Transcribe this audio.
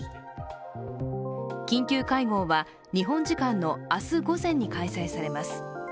緊急会合は日本時間の明日午前に開催されます。